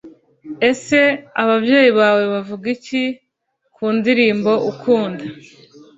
Ese ababyeyi bawe bavuga iki ku ndirimbo ukunda